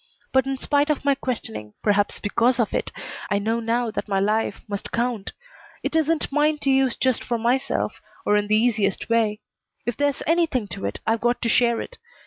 But in spite of my questioning, perhaps because of it, I know now that my life must count. It isn't mine to use just for myself, or in the easiest way. If there's anything to it, I've got to share it.